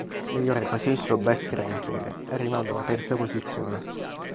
Migliora così il suo best ranking arrivando alla terza posizione.